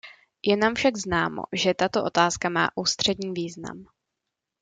Je nám však známo, že tato otázka má ústřední význam.